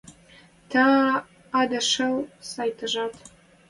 Тӓ... ада шӹл, сӓй, тӓжӓт?»